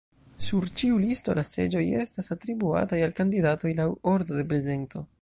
Sur ĉiu listo, la seĝoj estas atribuataj al kandidatoj laŭ ordo de prezento.